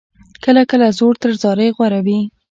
کله کله زور تر زارۍ غوره وي.